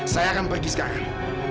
saya akan pergi sekarang